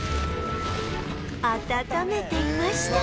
温めていました